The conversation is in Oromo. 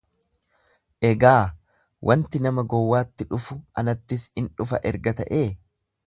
Egaa, Wanti nama gowwaatti dhufu anattis in dhufa erga ta'ee,